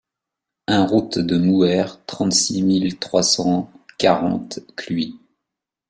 un route de Mouhers, trente-six mille trois cent quarante Cluis